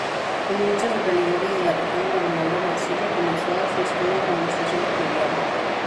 Como muchas localidades de la región, Gobernador Mansilla comenzó su historia como estación ferroviaria.